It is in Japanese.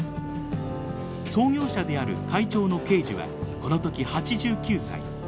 創業者である会長の圭司はこの時８９歳。